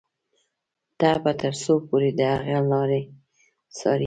ته به تر څو پورې د هغه لارې څاري.